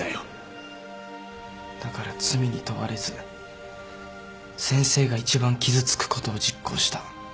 だから罪に問われず先生が一番傷つくことを実行した。